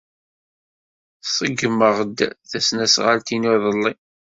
Ṣeggmeɣ-d tasnasɣalt-inu iḍelli.